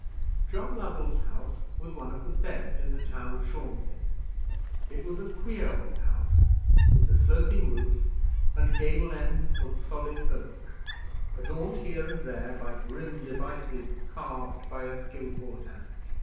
John Lovell's house was one of the best in the town of Shorncliffe. It was a queer old house, with a sloping roof, and gable ends of solid oak, adorned here and there by grim devices, carved by a skilful hand.